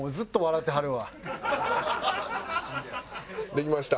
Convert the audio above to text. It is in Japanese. できました。